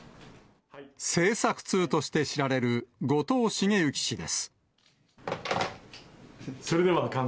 政策通として知られる、後藤茂之氏です。